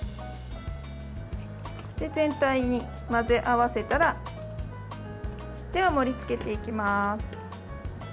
全体に混ぜ合わせたらでは、盛りつけていきます。